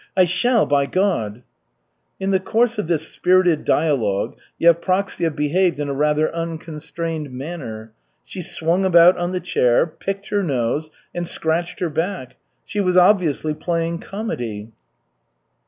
I shall, by God!" In the course of this spirited dialogue Yevpraksia behaved in a rather unconstrained manner. She swung about on the chair, picked her nose, and scratched her back. She was obviously playing comedy.